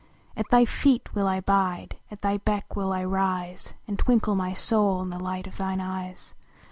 At thy feet will I bide, at thy beck will T rise, And twinkle mv soul in the night of thine eves